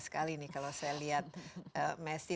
saya sangat senang sekali kalau saya lihat messi